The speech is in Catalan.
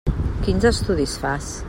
Quins estudis fas?